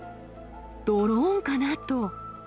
ドローンかなと。